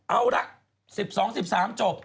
เอาละ๑๒๑๓จบ